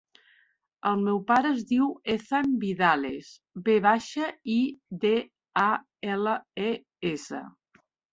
El meu pare es diu Ethan Vidales: ve baixa, i, de, a, ela, e, essa.